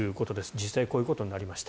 実際にこういうことになりました。